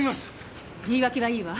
言い訳はいいわ。